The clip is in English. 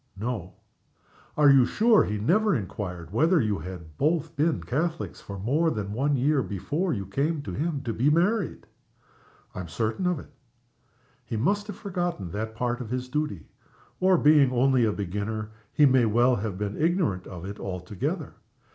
"No." "Are you sure he never inquired whether you had both been Catholics for more than one year before you came to him to be married?" "I am certain of it." "He must have forgotten that part of his duty or being only a beginner, he may well have been ignorant of it altogether.